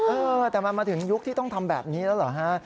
เออแต่มันมาถึงยุคที่ต้องทำแบบนี้แล้วเหรอฮะ